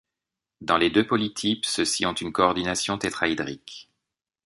Dans les deux polytypes, ceux-ci ont une coordination tétraédrique.